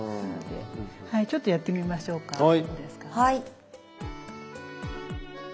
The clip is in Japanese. なのでちょっとやってみましょうか。